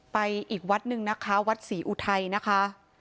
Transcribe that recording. อีกวัดหนึ่งนะคะวัดศรีอุทัยนะคะ